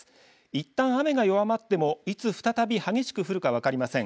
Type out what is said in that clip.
いったん雨が弱まってもいつ再び激しく降るか分かりません。